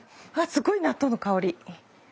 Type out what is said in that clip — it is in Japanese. すごい納豆の香り。